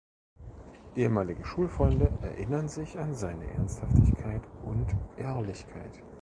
Ehemalige Schulfreunde erinnern sich an seine Ernsthaftigkeit und Ehrlichkeit.